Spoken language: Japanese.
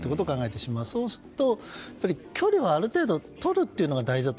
そうすると距離をある程度とるというのが大事だと。